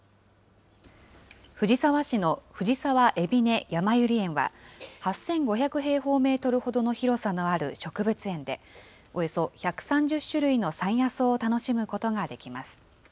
藤沢市の藤沢えびね・やまゆり園は、８５００平方メートルほどの広さのある植物園で、およそ１３０種類の山野草を楽しむことができます。